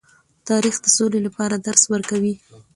تاریخ د سولې لپاره درس ورکوي.